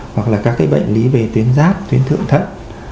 hoặc là các cái bệnh lý về tuyến giáp tuyến thượng thận